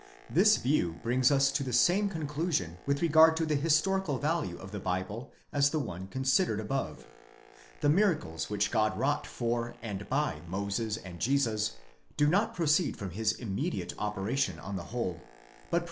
This view brings us to the same conclusion with regard to the historical value of the Bible as the one above considered. 'The miracles which God wrought for and by Moses and Jesus, do not proceed from his immediate 3 Heydenreich, iiber die Unzulassigkcit, u. 5.